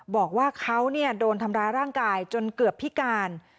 บอกว่าเขาโดนทำร้ายร่างกายจนเกือบพิการ